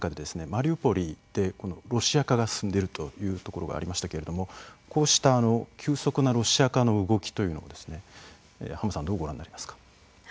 マリウポリでロシア化が進んでいるというところがありましたけれどもこうした急速なロシア化の動きというのを浜さんどうご覧になりますか？